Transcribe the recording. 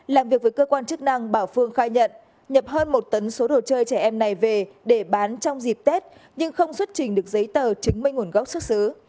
làm việc với cơ quan chức năng bảo phương khai nhận nhập hơn một tấn số đồ chơi trẻ em này về để bán trong dịp tết nhưng không xuất trình được giấy tờ chứng minh nguồn gốc xuất xứ